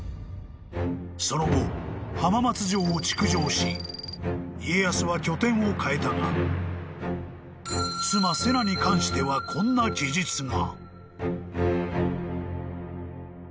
［その後浜松城を築城し家康は拠点をかえたが妻瀬名に関してはこんな記述が］